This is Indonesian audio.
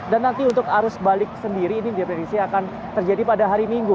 nanti untuk arus balik sendiri ini diprediksi akan terjadi pada hari minggu